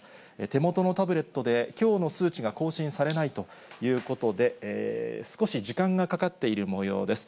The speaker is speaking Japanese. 手元のタブレットで、きょうの数値が更新されないということで、少し時間がかかっているもようです。